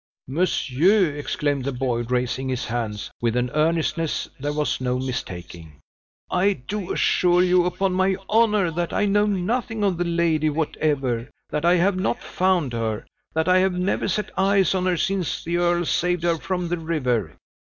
"Monsieur!" exclaimed the boy, raising his hands with an earnestness there was no mistaking, "I do assure you, upon my honor, that I know nothing of the lady whatever; that I have not found her; that I have never set eyes on her since the earl saved her from the river."